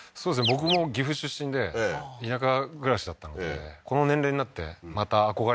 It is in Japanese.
僕も岐阜出身で田舎暮らしだったのでこの年齢になってまた憧れますね